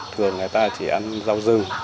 thường người ta chỉ ăn rau rừng